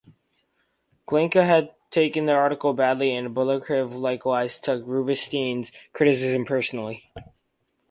Glinka had taken the article badly, and Balakirev likewise took Rubinstein's criticism personally.